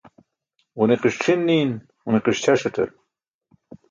Ġuniqi̇ṣ c̣ʰin niin ġuniqiṣ ćʰaṣatar